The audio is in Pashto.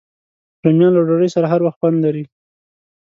رومیان له ډوډۍ سره هر وخت خوند لري